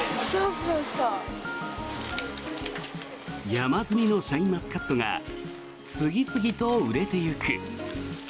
山積みのシャインマスカットが次々と売れていく。